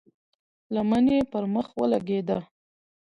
لمن يې پر مخ ولګېده.